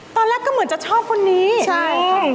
ตอนแรกก็เหมือนจะชอบคนนี้ใช่